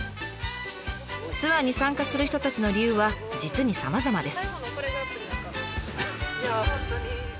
ツアーに参加する人たちの理由は実にさまざまです。